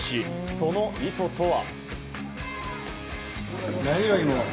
その意図とは。